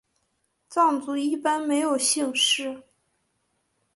藏族一般没有姓氏。